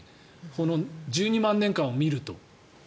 この１２万年間を見ると。